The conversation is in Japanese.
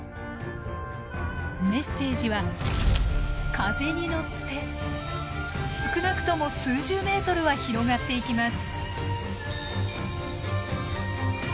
メッセージは風に乗って少なくとも数十メートルは広がっていきます。